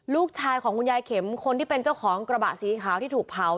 ลูกชายของคุณยายเข็มคนที่เป็นเจ้าของกระบะสีขาวที่ถูกเผา